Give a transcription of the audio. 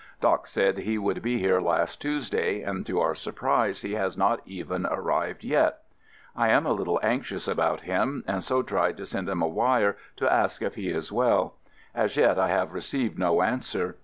"Doc" said he would be here last Tuesday, and to our surprise he has not even arrived yet. I am a little anxious about him and so tried to send him a wire to ask if he is well. As yet I have received no answer.